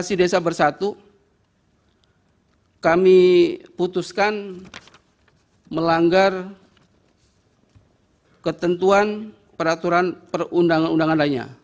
investasi desa bersatu kami putuskan melanggar ketentuan peraturan perundang undangan lainnya